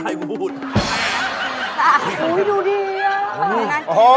อุ๊ยดูดีอ่ะ